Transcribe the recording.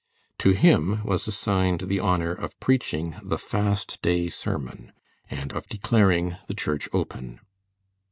To him was assigned the honor of preaching the Fast Day sermon, and of declaring the church "open."